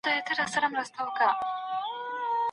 پلار د کورنی د غړو ترمنځ د تفاهم او خبرو اترو لار خلاصوي.